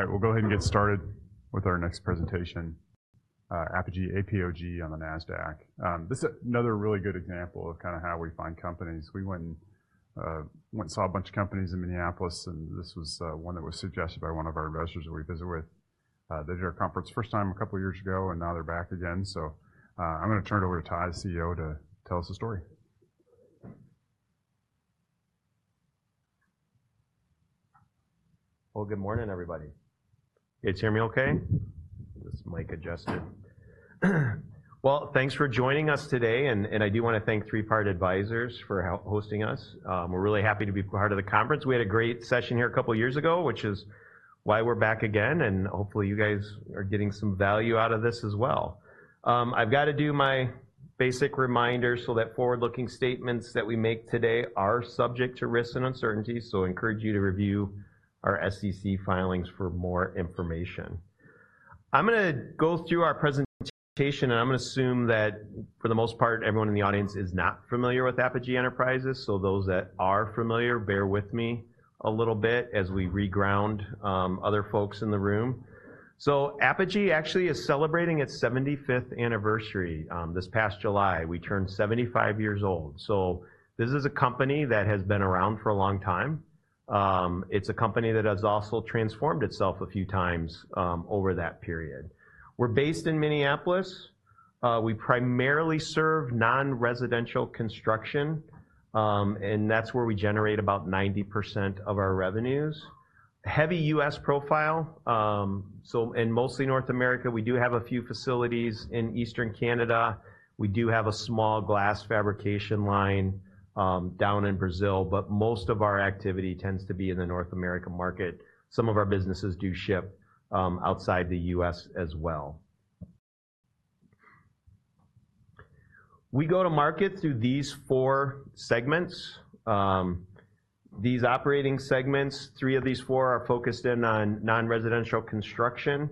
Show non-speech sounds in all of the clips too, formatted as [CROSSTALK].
All right, we'll go ahead and get started with our next presentation, Apogee, APOG on the Nasdaq. This is another really good example of kind of how we find companies. We went and saw a bunch of companies in Minneapolis, and this was one that was suggested by one of our investors that we visit with. They did our conference first time a couple of years ago, and now they're back again. So, I'm gonna turn it over to Ty, the CEO, to tell us the story. Good morning, everybody. Can you hear me okay? Get this mic adjusted. Thanks for joining us today, and I do want to thank Three Part Advisors for hosting us. We're really happy to be part of the conference. We had a great session here a couple of years ago, which is why we're back again, and hopefully, you guys are getting some value out of this as well. I've got to do my basic reminder, so that forward-looking statements that we make today are subject to risks and uncertainties, so encourage you to review our SEC filings for more information. I'm gonna go through our presentation, and I'm gonna assume that, for the most part, everyone in the audience is not familiar with Apogee Enterprises. So those that are familiar, bear with me a little bit as we reground other folks in the room. Apogee actually is celebrating its 75th anniversary. This past July, we turned 75 years old. So this is a company that has been around for a long time. It's a company that has also transformed itself a few times over that period. We're based in Minneapolis. We primarily serve non-residential construction, and that's where we generate about 90% of our revenues. Heavy U.S. profile and mostly North America. We do have a few facilities in Eastern Canada. We do have a small glass fabrication line down in Brazil, but most of our activity tends to be in the North American market. Some of our businesses do ship outside the U.S. as well. We go to market through these four segments. These operating segments, three of these four are focused in on non-residential construction.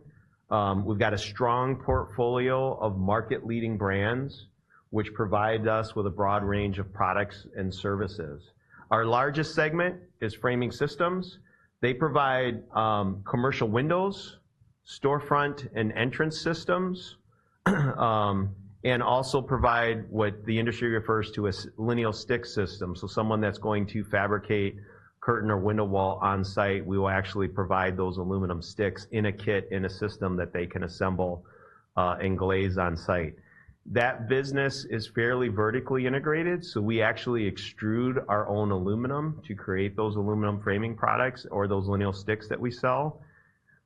We've got a strong portfolio of market-leading brands, which provide us with a broad range of products and services. Our largest segment is Framing Systems. They provide commercial windows, storefront and entrance systems, and also provide what the industry refers to as lineal stick systems. So someone that's going to fabricate curtain or window wall on-site, we will actually provide those aluminum sticks in a kit, in a system that they can assemble, and glaze on-site. That business is fairly vertically integrated, so we actually extrude our own aluminum to create those aluminum framing products or those lineal sticks that we sell.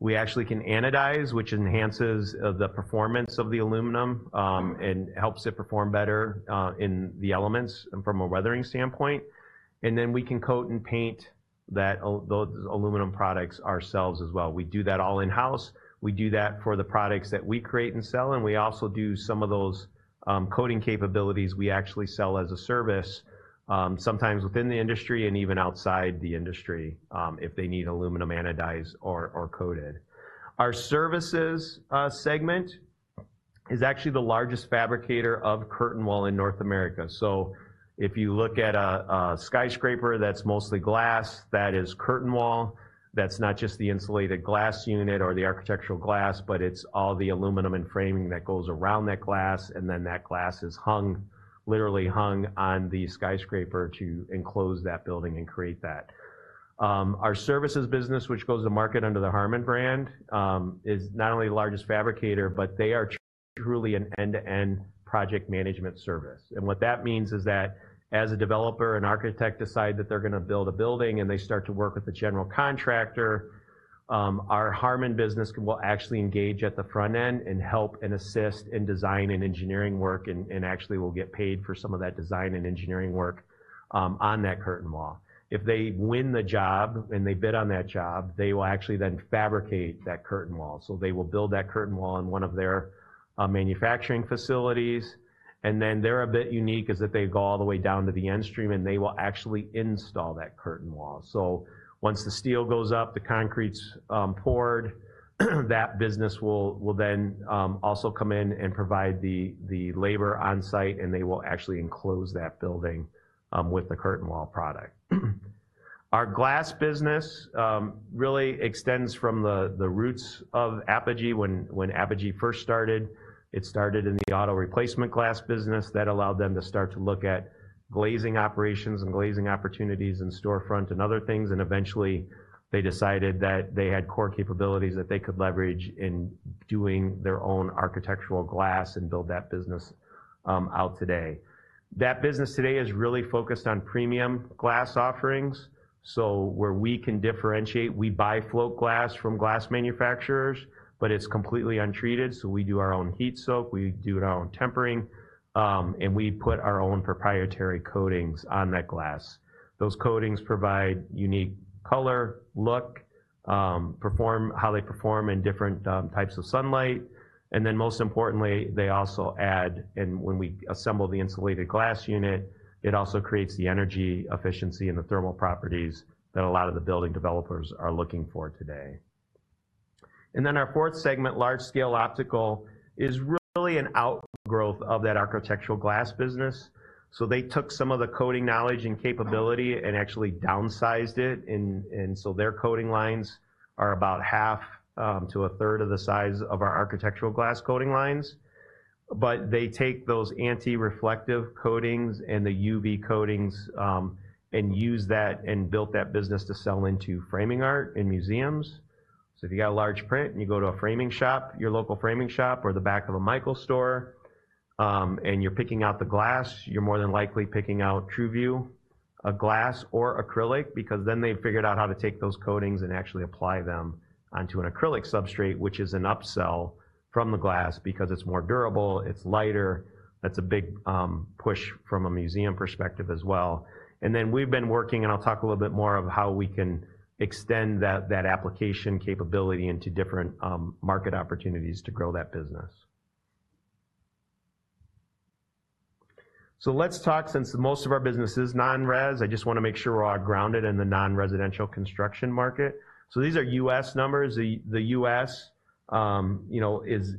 We actually can anodize, which enhances the performance of the aluminum, and helps it perform better in the elements from a weathering standpoint, and then we can coat and paint that those aluminum products ourselves as well. We do that all in-house. We do that for the products that we create and sell, and we also do some of those coating capabilities we actually sell as a service, sometimes within the industry and even outside the industry, if they need aluminum anodized or coated. Our Services segment is actually the largest fabricator of curtain wall in North America. So if you look at a skyscraper that's mostly glass, that is curtain wall. That's not just the insulated glass unit or the architectural glass, but it's all the aluminum and framing that goes around that glass, and then that glass is hung, literally hung on the skyscraper to enclose that building and create that. Our Services business, which goes to market under the Harmon brand, is not only the largest fabricator, but they are truly an end-to-end project management service, and what that means is that as a developer and architect decide that they're gonna build a building and they start to work with the general contractor, our Harmon business will actually engage at the front end and help and assist in design and engineering work, and actually will get paid for some of that design and engineering work, on that curtain wall. If they win the job, and they bid on that job, they will actually then fabricate that curtain wall. So they will build that curtain wall in one of their manufacturing facilities, and then they're a bit unique, is that they go all the way down to the downstream, and they will actually install that curtain wall. So once the steel goes up, the concrete's poured, that business will then also come in and provide the labor on-site, and they will actually enclose that building with the curtain wall product. Our Glass business really extends from the roots of Apogee. When Apogee first started, it started in the auto replacement Glass business. That allowed them to start to look at glazing operations and glazing opportunities in storefront and other things, and eventually, they decided that they had core capabilities that they could leverage in doing their own architectural glass and build that business out today. That business today is really focused on premium glass offerings. So where we can differentiate, we buy float glass from glass manufacturers, but it's completely untreated, so we do our own heat soak, we do our own tempering, and we put our own proprietary coatings on that glass. Those coatings provide unique color, look, how they perform in different types of sunlight, and then most importantly, they also add, and when we assemble the insulated glass unit, it also creates the energy efficiency and the thermal properties that a lot of the building developers are looking for today. And then our fourth segment, Large-Scale Optical, is really an outgrowth of that Architectural Glass business. So they took some of the coating knowledge and capability and actually downsized it, and so their coating lines are about 1/2-1/3 of the size of our architectural glass coating lines. But they take those anti-reflective coatings and the UV coatings, and use that and built that business to sell into framing art in museums. So if you got a large print and you go to a framing shop, your local framing shop or the back of a Michaels store, and you're picking out the glass, you're more than likely picking out Tru Vue, a glass or acrylic, because then they've figured out how to take those coatings and actually apply them onto an acrylic substrate, which is an upsell from the glass because it's more durable, it's lighter. That's a big push from a museum perspective as well. And then we've been working, and I'll talk a little bit more of how we can extend that application capability into different market opportunities to grow that business. Let's talk, since most of our business is non-res. I just want to make sure we're all grounded in the non-residential construction market. These are U.S. numbers. The U.S., you know, is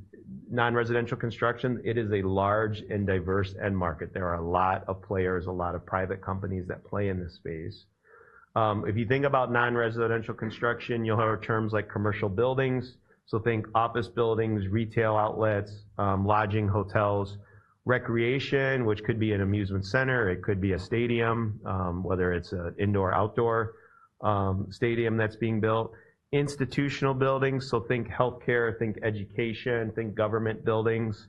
non-residential construction, it is a large and diverse end market. There are a lot of players, a lot of private companies that play in this space. If you think about non-residential construction, you'll hear terms like commercial buildings, so think office buildings, retail outlets, lodging, hotels, recreation, which could be an amusement center, it could be a stadium, whether it's an indoor or outdoor, stadium that's being built. Institutional buildings, so think healthcare, think education, think government buildings,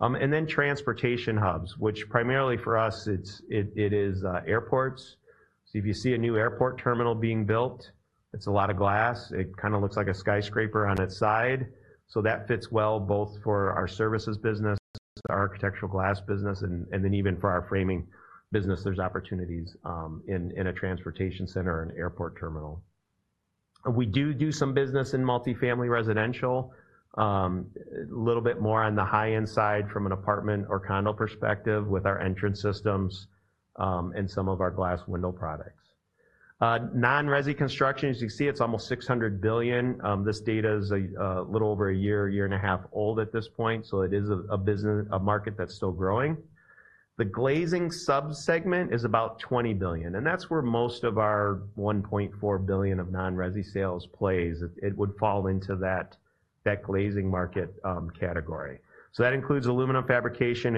and then transportation hubs, which primarily for us, it's airports. So if you see a new airport terminal being built, it's a lot of glass. It kinda looks like a skyscraper on its side. So that fits well both for our Services business, our Architectural Glass business, and, and then even for our Framing business, there's opportunities in a transportation center and airport terminal. We do do some business in multifamily residential, a little bit more on the high-end side from an apartment or condo perspective with our entrance systems, and some of our glass window products. Non-resi construction, as you see, it's almost $600 billion. This data is a little over a year and a half old at this point, so it is a business, a market that's still growing. The glazing subsegment is about $20 billion, and that's where most of our $1.4 billion of non-resi sales plays. It would fall into that glazing market category. So that includes aluminum fabrication,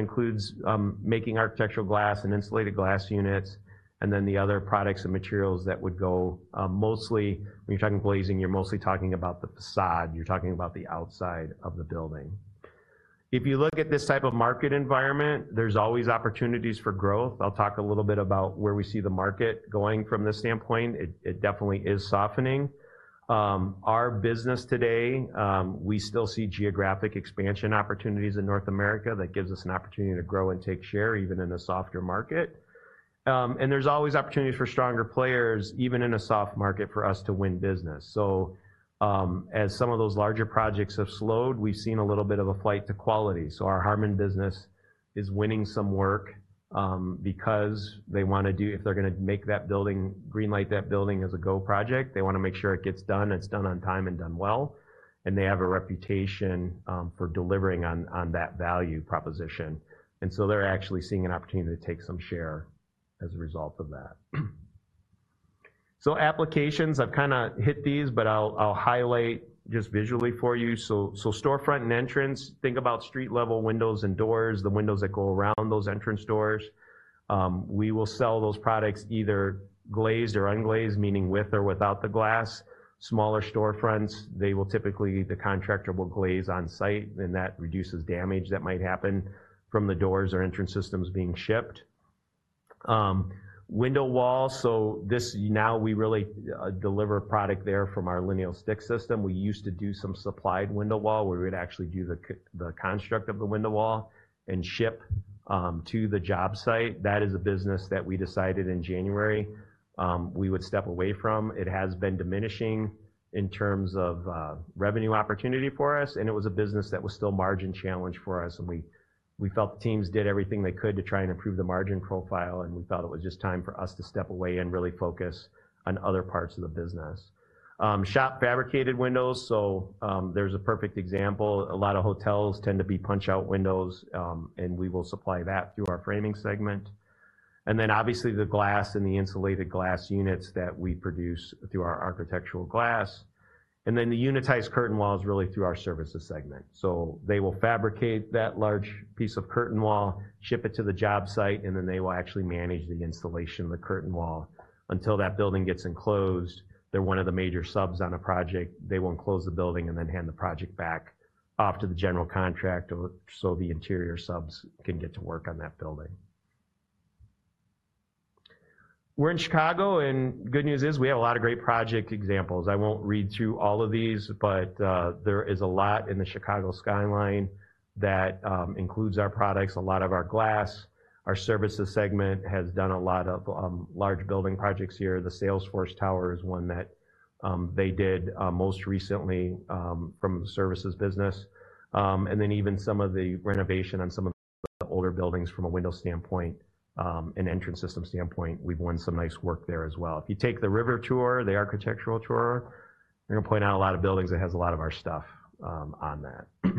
making architectural glass and insulated glass units, and then the other products and materials that would go. Mostly, when you're talking glazing, you're mostly talking about the facade. You're talking about the outside of the building. If you look at this type of market environment, there's always opportunities for growth. I'll talk a little bit about where we see the market going from this standpoint. It definitely is softening. Our business today, we still see geographic expansion opportunities in North America that gives us an opportunity to grow and take share, even in a softer market. And there's always opportunities for stronger players, even in a soft market, for us to win business. So, as some of those larger projects have slowed, we've seen a little bit of a flight to quality. So our Harmon business is winning some work, because they wanna do if they're gonna make that building, greenlight that building as a go project, they wanna make sure it gets done, and it's done on time and done well, and they have a reputation for delivering on that value proposition. And so they're actually seeing an opportunity to take some share as a result of that. So applications, I've kinda hit these, but I'll highlight just visually for you. So storefront and entrance, think about street-level windows and doors, the windows that go around those entrance doors. We will sell those products either glazed or unglazed, meaning with or without the glass. Smaller storefronts, they will typically. The contractor will glaze on-site, and that reduces damage that might happen from the doors or entrance systems being shipped. Window walls, so this now we really deliver product there from our lineal stick system. We used to do some supplied window wall, where we'd actually do the construct of the window wall and ship to the job site. That is a business that we decided in January we would step away from. It has been diminishing in terms of revenue opportunity for us, and it was a business that was still margin-challenged for us, and we felt the teams did everything they could to try and improve the margin profile, and we felt it was just time for us to step away and really focus on other parts of the business. Shop-fabricated windows, so there's a perfect example. A lot of hotels tend to be punch-out windows, and we will supply that through our Framing segment. And then, obviously, the glass and the insulated glass units that we produce through our Architectural Glass, and then the unitized curtain walls really through our Services segment. So they will fabricate that large piece of curtain wall, ship it to the job site, and then they will actually manage the installation of the curtain wall. Until that building gets enclosed, they're one of the major subs on a project. They won't close the building and then hand the project back off to the general contractor, so the interior subs can get to work on that building. We're in Chicago, and good news is, we have a lot of great project examples. I won't read through all of these, but there is a lot in the Chicago skyline that includes our products, a lot of our glass. Our Services segment has done a lot of large building projects here. The Salesforce Tower is one that they did most recently from the Services business, and then even some of the renovation on some of the older buildings from a window standpoint and entrance system standpoint, we've won some nice work there as well. If you take the river tour, the architectural tour, they're gonna point out a lot of buildings that has a lot of our stuff on that.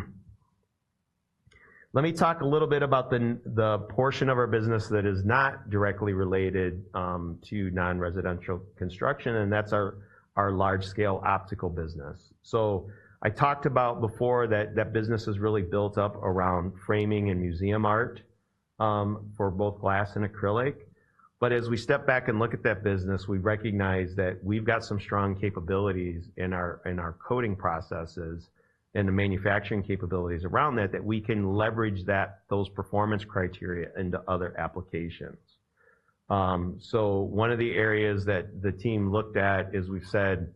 Let me talk a little bit about the portion of our business that is not directly related to non-residential construction, and that's our Large-Scale Optical business, so I talked about before that that business is really built up around framing and museum art for both glass and acrylic. But as we step back and look at that business, we recognize that we've got some strong capabilities in our coating processes and the manufacturing capabilities around that, that we can leverage those performance criteria into other applications. So one of the areas that the team looked at is we said,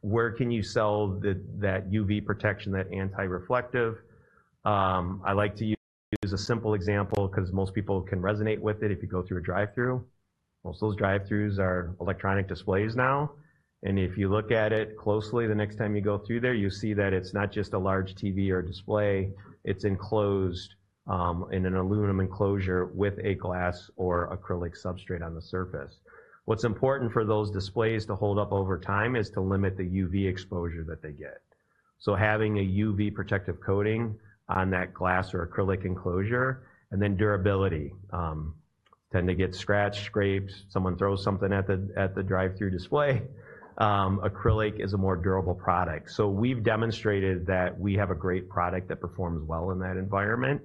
Where can you sell that UV protection, that anti-reflective? I like to use a simple example because most people can resonate with it. If you go through a drive-through, most of those drive-throughs are electronic displays now, and if you look at it closely, the next time you go through there, you see that it's not just a large TV or display, it's enclosed in an aluminum enclosure with a glass or acrylic substrate on the surface. What's important for those displays to hold up over time is to limit the UV exposure that they get. So having a UV protective coating on that glass or acrylic enclosure, and then durability. Tend to get scratched, scraped, someone throws something at the drive-through display. Acrylic is a more durable product. So we've demonstrated that we have a great product that performs well in that environment.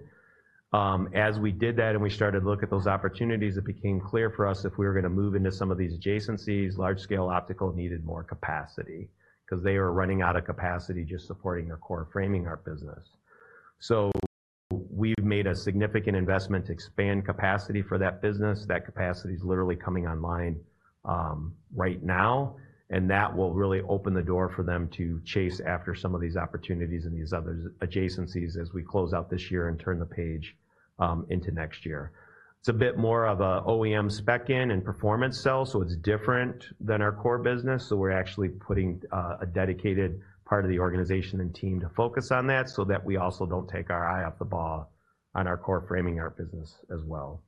As we did that and we started to look at those opportunities, it became clear for us if we were gonna move into some of these adjacencies, Large-Scale Optical needed more capacity, 'cause they were running out of capacity, just supporting our core Framing art business. So we've made a significant investment to expand capacity for that business. That capacity is literally coming online right now, and that will really open the door for them to chase after some of these opportunities and these other adjacencies as we close out this year and turn the page into next year. It's a bit more of a OEM spec-in and performance sell, so it's different than our core business, so we're actually putting a dedicated part of the organization and team to focus on that, so that we also don't take our eye off the ball on our core Framing art business as well.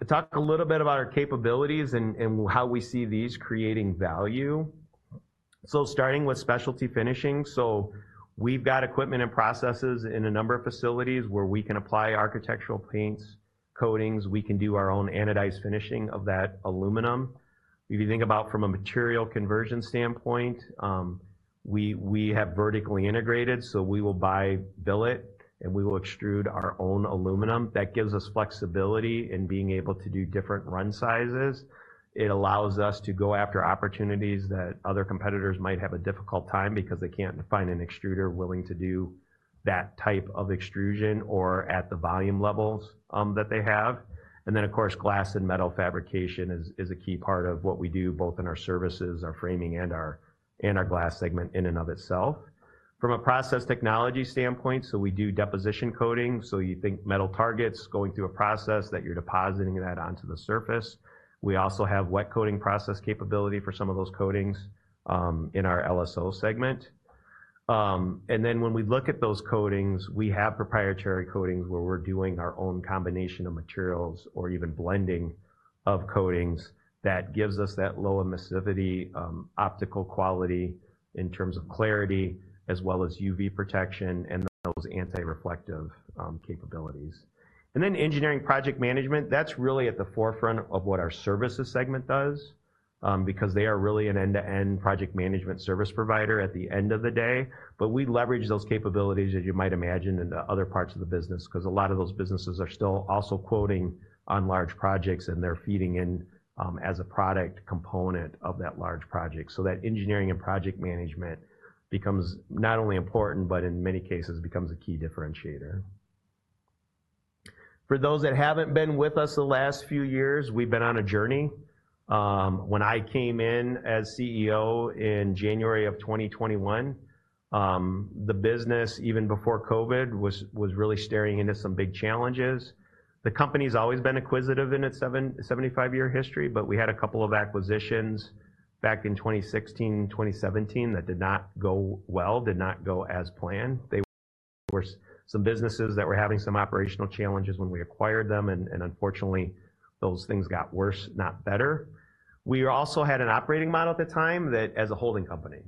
To talk a little bit about our capabilities and how we see these creating value. So starting with specialty finishing, so we've got equipment and processes in a number of facilities where we can apply architectural paints, coatings. We can do our own anodized finishing of that aluminum. If you think about from a material conversion standpoint, we have vertically integrated, so we will buy billet, and we will extrude our own aluminum. That gives us flexibility in being able to do different run sizes. It allows us to go after opportunities that other competitors might have a difficult time because they can't find an extruder willing to do that type of extrusion or at the volume levels that they have. And then, of course, glass and metal fabrication is a key part of what we do, both in our Services, our Framing, and our Glass segment in and of itself. From a process technology standpoint, so we do deposition coating, so you think metal targets going through a process that you're depositing that onto the surface. We also have wet coating process capability for some of those coatings, in our LSO segment, and then when we look at those coatings, we have proprietary coatings where we're doing our own combination of materials or even blending of coatings that gives us that low emissivity, optical quality in terms of clarity, as well as UV protection and those anti-reflective, capabilities, and then engineering project management, that's really at the forefront of what our Services segment does, because they are really an end-to-end project management service provider at the end of the day, but we leverage those capabilities, as you might imagine, into other parts of the business, 'cause a lot of those businesses are still also quoting on large projects, and they're feeding in, as a product component of that large project. So that engineering and project management becomes not only important but in many cases, becomes a key differentiator. For those that haven't been with us the last few years, we've been on a journey. When I came in as CEO in January of 2021, the business, even before COVID, was really staring into some big challenges. The company's always been acquisitive in its 75-year history, but we had a couple of acquisitions back in 2016, 2017 that did not go well, did not go as planned. They were some businesses that were having some operational challenges when we acquired them, and unfortunately, those things got worse, not better. We also had an operating model at the time that as a holding company.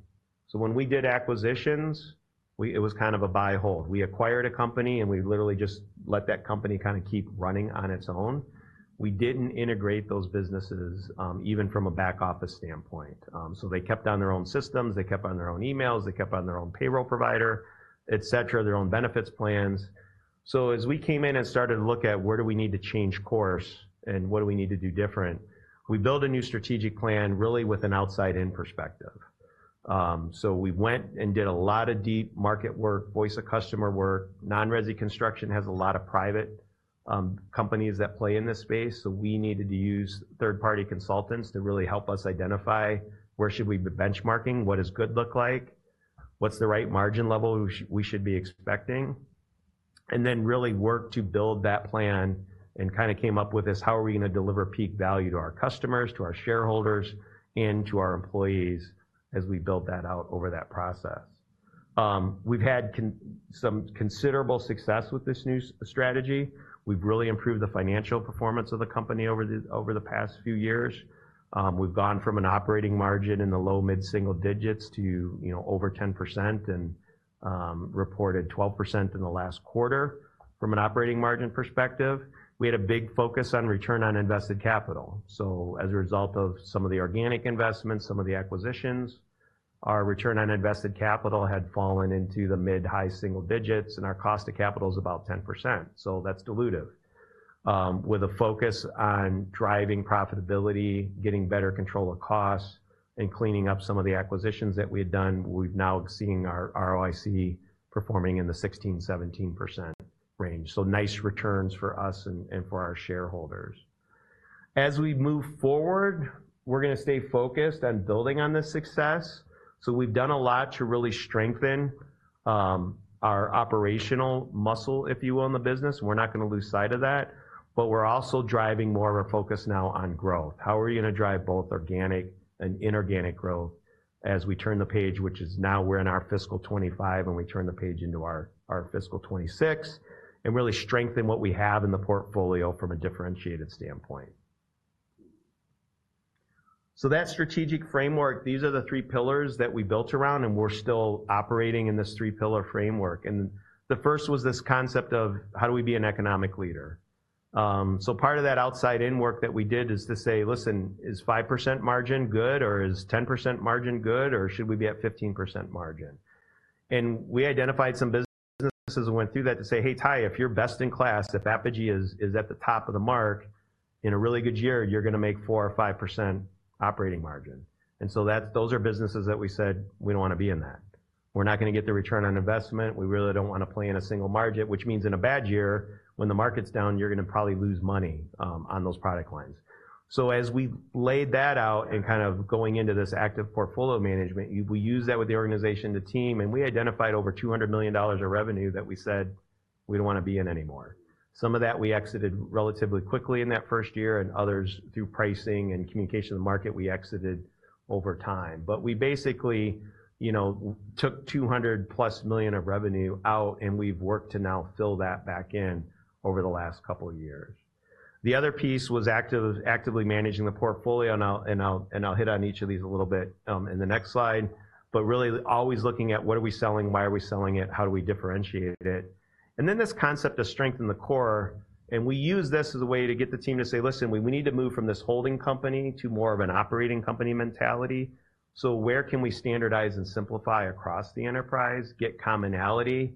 So when we did acquisitions, it was kind of a buy hold. We acquired a company, and we literally just let that company kind of keep running on its own. We didn't integrate those businesses, even from a back office standpoint. So they kept on their own systems, they kept on their own emails, they kept on their own payroll provider, etc., their own benefits plans. So as we came in and started to look at where do we need to change course and what do we need to do different, we built a new strategic plan, really with an outside-in perspective. So we went and did a lot of deep market work, voice of customer work. Non-resi construction has a lot of private companies that play in this space, so we needed to use third-party consultants to really help us identify where should we be benchmarking? What does good look like? What's the right margin level we should be expecting? And then really work to build that plan and kinda came up with this: How are we gonna deliver peak value to our customers, to our shareholders, and to our employees as we build that out over that process? We've had some considerable success with this new strategy. We've really improved the financial performance of the company over the past few years. We've gone from an operating margin in the low mid-single digits to over 10%, and reported 12% in the last quarter. From an operating margin perspective, we had a big focus on return on invested capital. So as a result of some of the organic investments, some of the acquisitions, our return on invested capital had fallen into the mid-high single digits, and our cost of capital is about 10%, so that's dilutive. With a focus on driving profitability, getting better control of costs, and cleaning up some of the acquisitions that we had done, we're now seeing our ROIC performing in the 16%-17% range. So nice returns for us and for our shareholders. As we move forward, we're gonna stay focused on building on this success. So we've done a lot to really strengthen our operational muscle, if you will, in the business. We're not gonna lose sight of that, but we're also driving more of our focus now on growth. How are we gonna drive both organic and inorganic growth as we turn the page, which is now we're in our fiscal 2025, and we turn the page into our, our fiscal 2026, and really strengthen what we have in the portfolio from a differentiated standpoint? So that strategic framework, these are the three pillars that we built around, and we're still operating in this three pillar framework, and the first was this concept of: how do we be an economic leader? So part of that outside-in work that we did is to say, Listen, is 5% margin good, or is 10% margin good, or should we be at 15% margin? We identified some businesses and went through that to say, Hey, Ty, if you're best in class, if Apogee is at the top of the mark, in a really good year, you're gonna make 4% or 5% operating margin. Those are businesses that we said we don't wanna be in that. We're not gonna get the return on investment. We really don't wanna play in a single-digit margin, which means in a bad year, when the market's down, you're gonna probably lose money on those product lines. As we laid that out and kind of going into this active portfolio management, we used that with the organization, the team, and we identified over $200 million of revenue that we said we don't wanna be in anymore. Some of that we exited relatively quickly in that first year, and others, through pricing and communication to the market, we exited over time. But we basically, you know, took $200 million+ of revenue out, and we've worked to now fill that back in over the last couple of years. The other piece was actively managing the portfolio, and I'll hit on each of these a little bit in the next slide, but really always looking at what are we selling, why are we selling it, how do we differentiate it? And then this concept of strengthen the core, and we use this as a way to get the team to say, Listen, we, we need to move from this holding company to more of an operating company mentality. So where can we standardize and simplify across the enterprise, get commonality,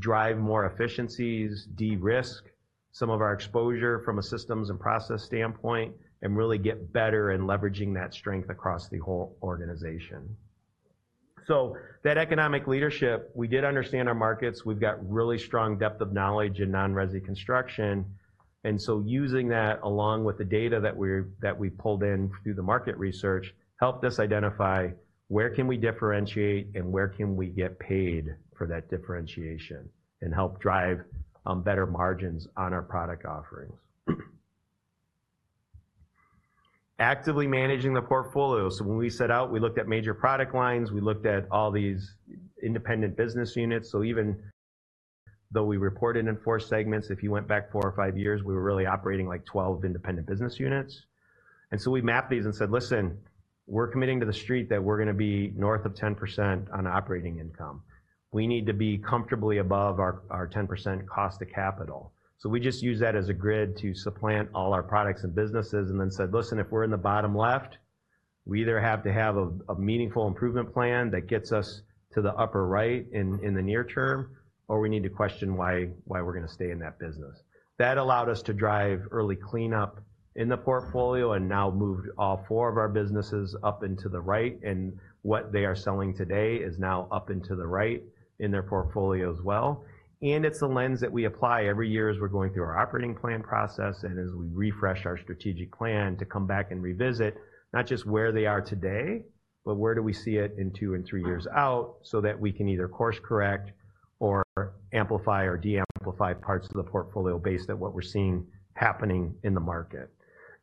drive more efficiencies, de-risk some of our exposure from a systems and process standpoint, and really get better in leveraging that strength across the whole organization? So that economic leadership, we did understand our markets. We've got really strong depth of knowledge in non-resi construction, and so using that, along with the data that we pulled in through the market research, helped us identify where can we differentiate and where can we get paid for that differentiation and help drive better margins on our product offerings? Actively managing the portfolio. So when we set out, we looked at major product lines, we looked at all these independent business units. So even though we reported in four segments, if you went back four or five years, we were really operating twelve independent business units. And so we mapped these and said, Listen, we're committing to the street that we're gonna be north of 10% on operating income. We need to be comfortably above our 10% cost of capital. So we just used that as a grid to plot all our products and businesses and then said: Listen, if we're in the bottom left, we either have to have a, a meaningful improvement plan that gets us to the upper right in, in the near term, or we need to question why, why we're gonna stay in that business. That allowed us to drive early cleanup in the portfolio and now moved all four of our businesses up into the right, and what they are selling today is now up into the right in their portfolio as well, and it's the lens that we apply every year as we're going through our operating plan process and as we refresh our strategic plan to come back and revisit not just where they are today, but where do we see it in two and three years out, so that we can either course correct or amplify or deamplify parts of the portfolio based on what we're seeing happening in the market,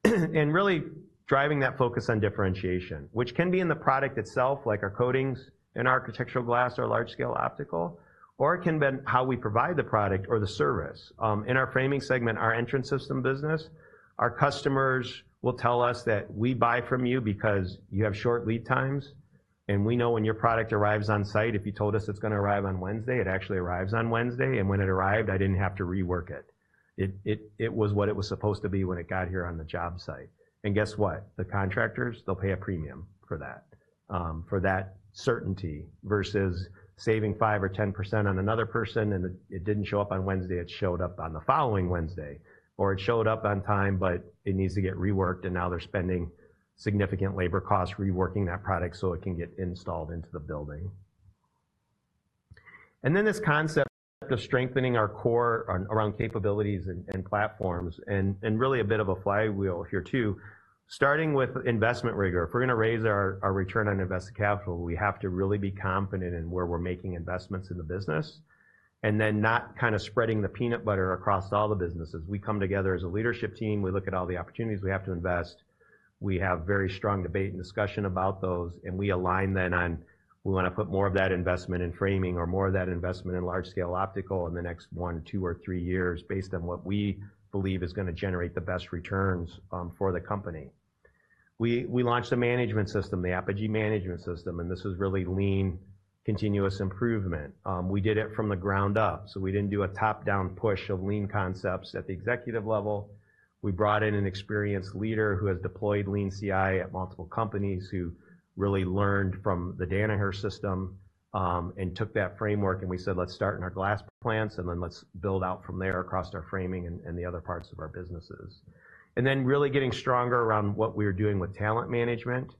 and really driving that focus on differentiation, which can be in the product itself, like our coatings and architectural glass or large-scale optical, or it can be how we provide the product or the service. In our Framing segment, our entrance system business, our customers will tell us that We buy from you because you have short lead times, and we know when your product arrives on site. If you told us it's gonna arrive on Wednesday, it actually arrives on Wednesday, and when it arrived, I didn't have to rework it. It was what it was supposed to be when it got here on the job site. And guess what? The contractors, they'll pay a premium for that, for that certainty, versus saving 5% or 10% on another person, and it didn't show up on Wednesday, it showed up on the following Wednesday, or it showed up on time, but it needs to get reworked, and now they're spending significant labor costs reworking that product so it can get installed into the building. This concept of strengthening our core around capabilities and platforms, and really a bit of a flywheel here, too. Starting with investment rigor. If we're gonna raise our return on invested capital, we have to really be confident in where we're making investments in the business, and then not kind of spreading the peanut butter across all the businesses. We come together as a leadership team, we look at all the opportunities we have to invest. We have very strong debate and discussion about those, and we align then on, we want to put more of that investment in Framing or more of that investment in Large-Scale Optical in the next one, two, or three years based on what we believe is going to generate the best returns for the company. We launched a management system, the Apogee management system, and this is really lean, continuous improvement. We did it from the ground up, so we didn't do a top-down push of lean concepts at the executive level. We brought in an experienced leader who has deployed Lean CI at multiple companies, who really learned from the Danaher system, and took that framework, and we said, Let's start in our glass plants, and then let's build out from there across our Framing and the other parts of our businesses. And then really getting stronger around what we're doing with talent management,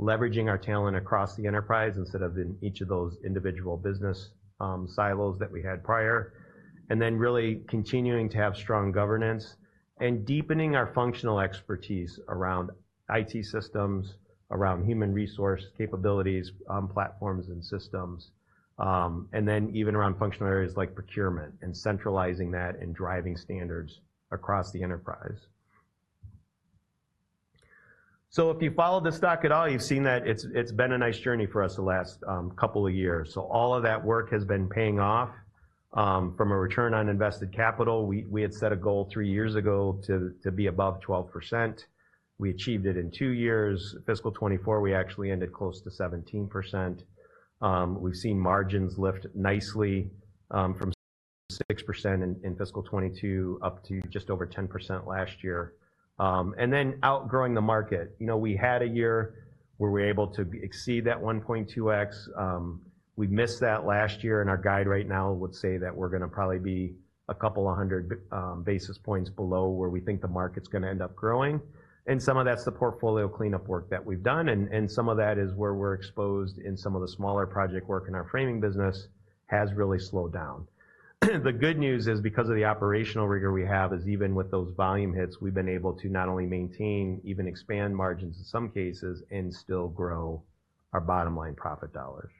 leveraging our talent across the enterprise instead of in each of those individual business silos that we had prior. And then really continuing to have strong governance and deepening our functional expertise around IT systems, around human resource capabilities, platforms and systems, and then even around functional areas like procurement and centralizing that and driving standards across the enterprise. So if you followed the stock at all, you've seen that it's, it's been a nice journey for us the last couple of years. So all of that work has been paying off. From a return on invested capital, we had set a goal three years ago to be above 12%. We achieved it in two years. Fiscal 2024, we actually ended close to 17%. We've seen margins lift nicely from 6% in fiscal 2022 up to just over 10% last year. And then outgrowing the market. You know, we had a year where we were able to exceed that one point two x. We missed that last year, and our guide right now would say that we're gonna probably be a couple of hundred basis points below where we think the market's gonna end up growing. And some of that's the portfolio cleanup work that we've done, and some of that is where we're exposed in some of the smaller project work in our Framing business has really slowed down. The good news is, because of the operational rigor we have, is even with those volume hits, we've been able to not only maintain, even expand margins in some cases, and still grow our bottom line profit dollars.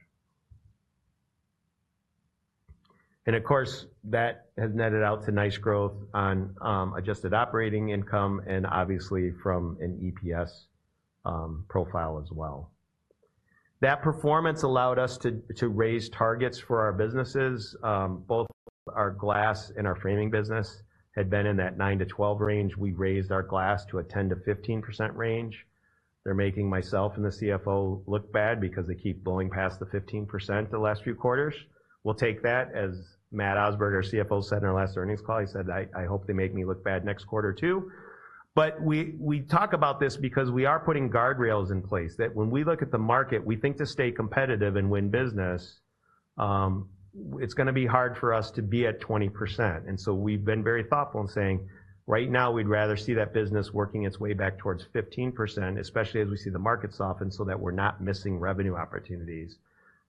And of course, that has netted out to nice growth on adjusted operating income and obviously from an EPS profile as well. That performance allowed us to raise targets for our businesses. Both our Glass and our Framing business had been in that 9%-12% range. We raised our glass to a 10%-15% range. They're making myself and the CFO look bad because they keep blowing past the 15% the last few quarters. We'll take that. As Matt Osberg, our CFO, said in our last earnings call, he said, I hope they make me look bad next quarter, too. But we talk about this because we are putting guardrails in place, that when we look at the market, we think to stay competitive and win business, it's gonna be hard for us to be at 20%. And so we've been very thoughtful in saying, Right now, we'd rather see that business working its way back towards 15%, especially as we see the market soften, so that we're not missing revenue opportunities, because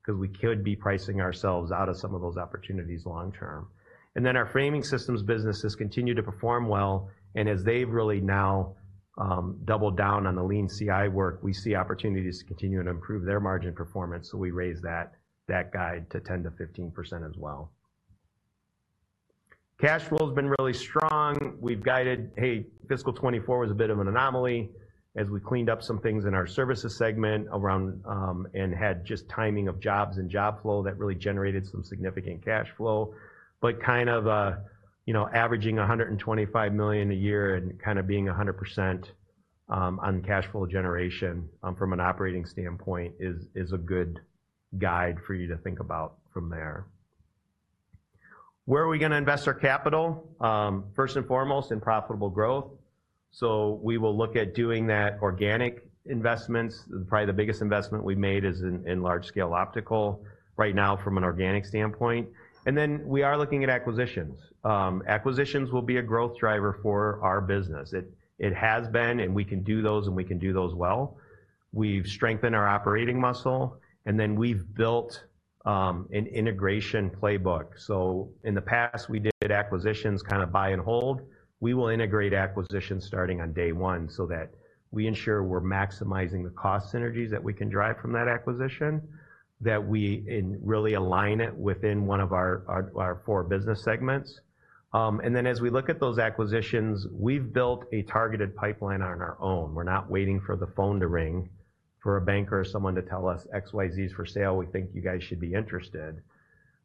we could be pricing ourselves out of some of those opportunities long term. And then our Framing Systems businesses continue to perform well, and as they've really now doubled down on the Lean CI work, we see opportunities to continue to improve their margin performance. So we raised that guide to 10%-15% as well. Cash flow has been really strong. We've guided, hey, fiscal 2024 was a bit of an anomaly as we cleaned up some things in our Services segment around, and had just timing of jobs and job flow that really generated some significant cash flow, but averaging $125 million a year and kind of being 100% on cash flow generation from an operating standpoint is a good guide for you to think about from there. Where are we gonna invest our capital? First and foremost, in profitable growth. We will look at doing that organic investments. Probably the biggest investment we've made is in Large-Scale Optical right now from an organic standpoint. Then we are looking at acquisitions. Acquisitions will be a growth driver for our business. It has been, and we can do those, and we can do those well. We've strengthened our operating muscle, and then we've built an integration playbook. So in the past, we did acquisitions kind of buy and hold. We will integrate acquisitions starting on day one so that we ensure we're maximizing the cost synergies that we can derive from that acquisition, that we really align it within one of our four business segments. And then as we look at those acquisitions, we've built a targeted pipeline on our own. We're not waiting for the phone to ring, for a banker or someone to tell us, X, Y, Z is for sale. We think you guys should be interested.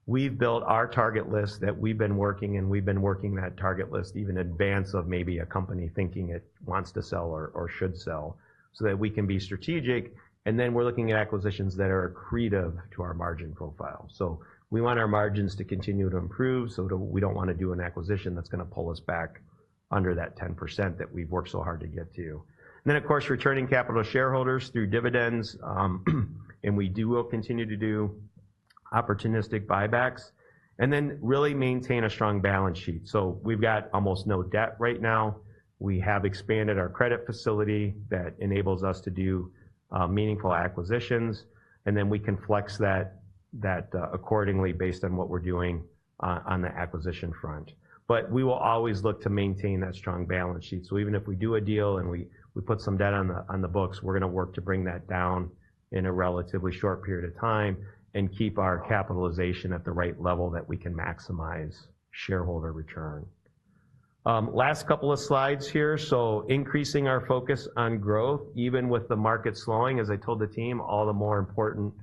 We've built our target list that we've been working, and we've been working that target list even in advance of maybe a company thinking it wants to sell or should sell, so that we can be strategic, and then we're looking at acquisitions that are accretive to our margin profile. So we want our margins to continue to improve, so we don't want to do an acquisition that's gonna pull us back under that 10% that we've worked so hard to get to. And then, of course, returning capital to shareholders through dividends, and we do continue to do opportunistic buybacks, and then really maintain a strong balance sheet. So we've got almost no debt right now. We have expanded our credit facility that enables us to do meaningful acquisitions, and then we can flex that accordingly based on what we're doing on the acquisition front. But we will always look to maintain that strong balance sheet. Even if we do a deal and we put some debt on the books, we're gonna work to bring that down in a relatively short period of time and keep our capitalization at the right level that we can maximize shareholder return. Last couple of slides here. Increasing our focus on growth, even with the market slowing, as I told the team, all the more important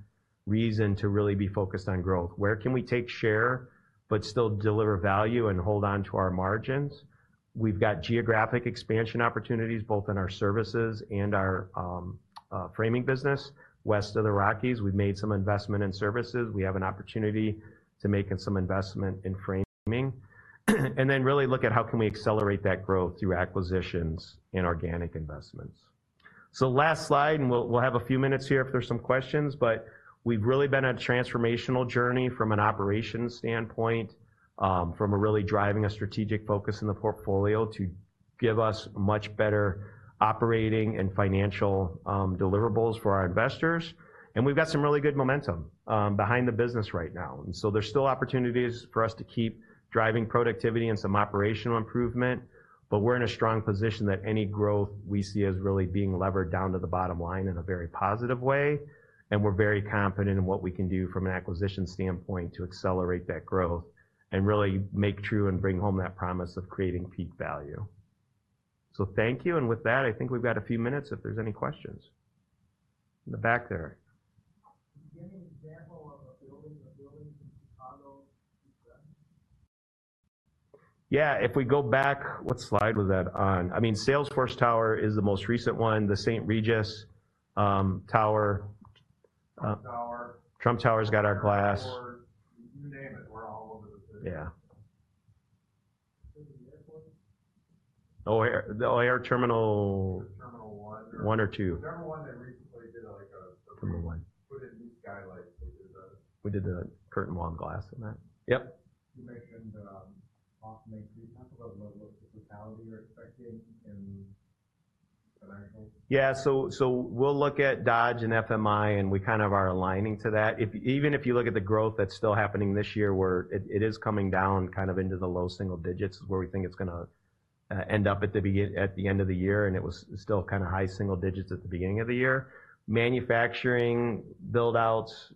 reason to really be focused on growth. Where can we take share but still deliver value and hold on to our margins? We've got geographic expansion opportunities, both in our Services and our Framing business. West of the Rockies, we've made some investment in Services. We have an opportunity to make some investment in Framing. And then really look at how can we accelerate that growth through acquisitions and organic investments. So last slide, and we'll have a few minutes here if there's some questions, but we've really been on a transformational journey from an operations standpoint, from really driving a strategic focus in the portfolio to give us much better operating and financial deliverables for our investors. And we've got some really good momentum behind the business right now. And so there's still opportunities for us to keep driving productivity and some operational improvement, but we're in a strong position that any growth we see as really being levered down to the bottom line in a very positive way, and we're very confident in what we can do from an acquisition standpoint to accelerate that growth and really make true and bring home that promise of creating peak value. So thank you. And with that, I think we've got a few minutes if there's any questions. In the back there. Can you give me an example of a building, a building in Chicago? Yeah, if we go back. What slide was that on? I mean, Salesforce Tower is the most recent one, the St. Regis Tower. Trump Tower. Trump Tower's got our glass. You name it, we're all over the place. Yeah. Was it the airport? Oh, the O'Hare Terminal. Terminal one. One or two. Remember one that recently did. [AUDIO DISTORTION] Terminal one [AUDIO DISTORTION] put in new skylights. We did a curtain wall glass in that. Yep. You mentioned Apogee. Can you talk about what activity you're expecting in the next year? Yeah, so we'll look at Dodge and FMI, and we kind of are aligning to that. If even if you look at the growth that's still happening this year, where it is coming down kind of into the low single digits, is where we think it's gonna end up at the end of the year, and it was still kinda high single digits at the beginning of the year. Manufacturing build-outs,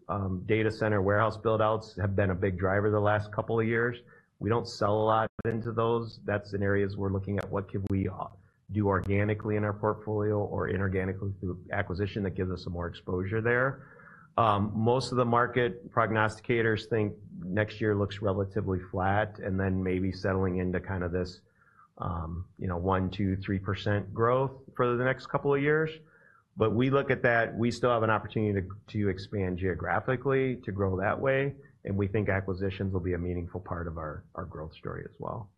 data center warehouse build-outs have been a big driver the last couple of years. We don't sell a lot into those. That's in areas we're looking at what could we do organically in our portfolio or inorganically through acquisition that gives us some more exposure there. Most of the market prognosticators think next year looks relatively flat, and then maybe settling into kind of this, you know, 1%-3% growth for the next couple of years, but we look at that, we still have an opportunity to expand geographically, to grow that way, and we think acquisitions will be a meaningful part of our growth story as well.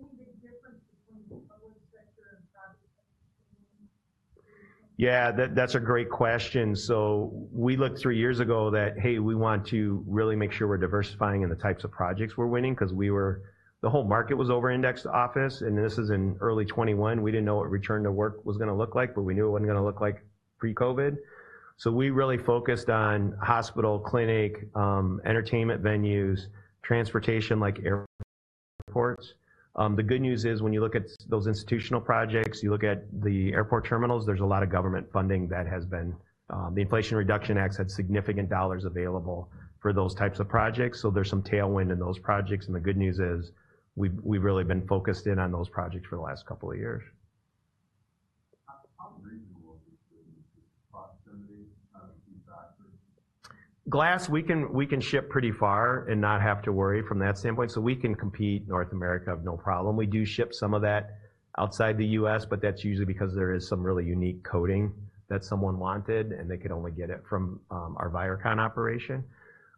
Any big difference between the public sector and private sector? Yeah, that's a great question. So we looked three years ago that, hey, we want to really make sure we're diversifying in the types of projects we're winning, 'cause the whole market was over indexed office, and this is in early 2021. We didn't know what return to work was gonna look like, but we knew it wasn't gonna look like pre-COVID. So we really focused on hospital, clinic, entertainment venues, transportation, like airports. The good news is, when you look at those institutional projects, you look at the airport terminals, there's a lot of government funding that has been. The Inflation Reduction Act had significant dollars available for those types of projects, so there's some tailwind in those projects, and the good news is, we've really been focused in on those projects for the last couple of years. How reasonable is the proximity of these factors? Glass, we can ship pretty far and not have to worry from that standpoint, so we can compete North America, no problem. We do ship some of that outside the U.S., but that's usually because there is some really unique coating that someone wanted, and they could only get it from, our Viracon operation.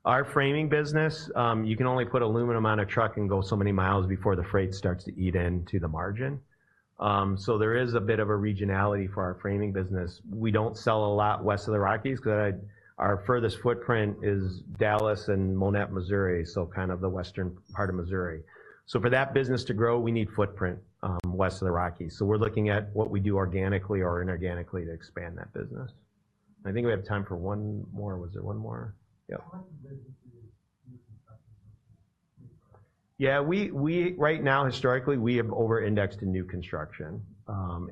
Our Framing business, you can only put aluminum on a truck and go so many miles before the freight starts to eat into the margin. So there is a bit of a regionality for our Framing business. We don't sell a lot west of the Rockies, because our furthest footprint is Dallas and Monett, Missouri, so kind of the western part of Missouri. So for that business to grow, we need footprint, west of the Rockies. So we're looking at what we do organically or inorganically to expand that business. I think we have time for one more. Was there one more? Yep. How much of the business is new construction? Yeah, we right now, historically, have over indexed in new construction.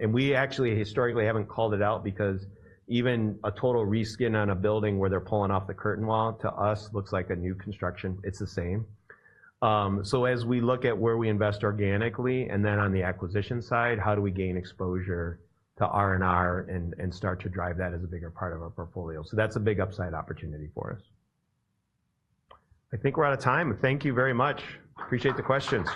And we actually historically haven't called it out, because even a total reskin on a building where they're pulling off the curtain wall, to us, looks like a new construction. It's the same. So as we look at where we invest organically, and then on the acquisition side, how do we gain exposure to R&R and start to drive that as a bigger part of our portfolio? So that's a big upside opportunity for us. I think we're out of time. Thank you very much. Appreciate the questions.